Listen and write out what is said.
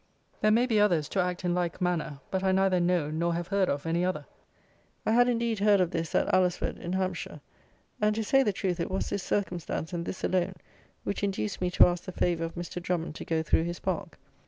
There may be others to act in like manner; but I neither know nor have heard of any other. I had, indeed, heard of this, at Alresford in Hampshire; and, to say the truth, it was this circumstance, and this alone, which induced me to ask the favour of Mr. Drummond to go through his park.